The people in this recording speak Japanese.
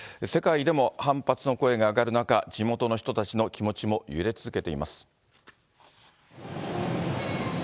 世界でも反発の声が上がる中、地元の人たちの気持ちも揺れ続けています。